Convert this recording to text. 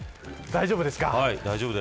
大丈夫ですか。